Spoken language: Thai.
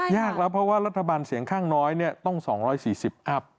ยากแล้วเพราะว่ารัฐบาลเสียงข้างน้อยต้อง๒๔๐อัพ